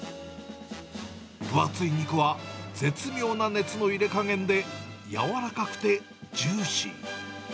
分厚い肉は絶妙な熱の入れ加減で、柔らかくてジューシー。